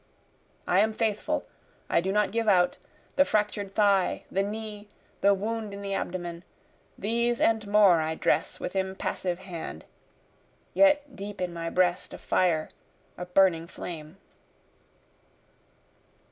I am faithful, I do not give out, The fractur'd thigh, the knee, the wound in the abdomen, These and more I dress with impassive hand, (yet deep in my breast a fire, a burning flame.)